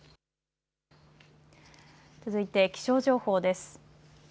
続いて気象情報です。